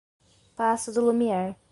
Paço do Lumiar